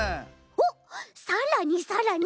おっさらにさらに。